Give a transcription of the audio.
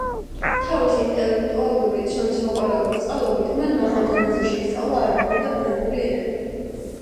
თავისი ინტელექტუალური ცნობისმოყვარეობის წყალობით, მან მაღალ დონეზე შეისწავლა არაბული და ფრანგული ენები.